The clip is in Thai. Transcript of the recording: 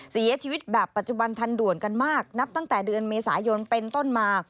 เสียชีวิตแบบปัจจุบันทันด่วนกันมากนับตั้งแต่เดือนเมษายนเป็นต้นมา